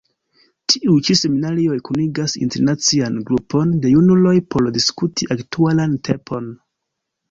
Tiuj ĉi seminarioj kunigas internacian grupon de junuloj por diskuti aktualan temon.